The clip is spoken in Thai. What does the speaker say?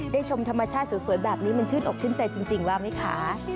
ชมธรรมชาติสวยแบบนี้มันชื่นอกชื่นใจจริงว่าไหมคะ